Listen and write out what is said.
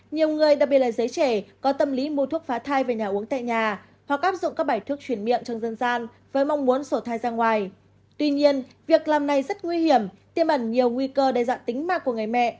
nhiều người đặc biệt là giới trẻ có tâm lý mua thuốc phá thai về nhà uống tại nhà hoặc áp dụng các bài thuốc chuyển miệng trong dân gian với mong muốn sổ thai ra ngoài